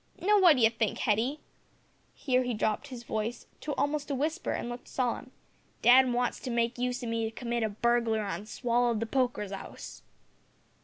Now, what d'ye think, Hetty," (here he dropped his voice to almost a whisper and looked solemn), "dad wants to make use o' me to commit a burglary on Swallow'd the poker's 'ouse."